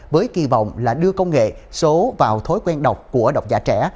với kỳ vọng là đưa công nghệ số vào thối quen đọc của đọc giả trẻ